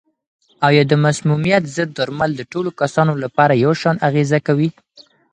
آیا د مسمومیت ضد درمل د ټولو کسانو لپاره یو شان اغېزه کوي؟